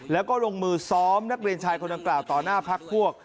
แล้วก็ลงมือซ้อมนักเรียนชายคนดังกล่าวต่อหน้าพักพวก